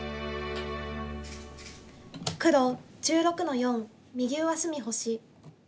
黒１６の四右上隅星。